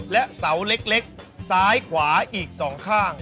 และเสาเล็กซ้ายขวาอีก๒ข้าง